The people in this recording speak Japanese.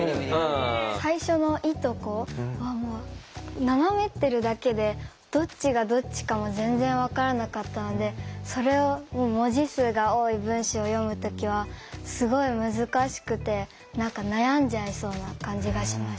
最初の「い」と「こ」は斜めってるだけでどっちがどっちかも全然分からなかったのでそれを文字数が多い文章を読む時はすごい難しくて悩んじゃいそうな感じがしました。